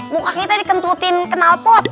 buka kita dikentutin kenal pot